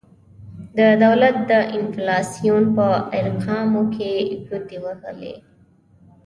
د دولت د انفلاسیون په ارقامو کې ګوتې وهلي.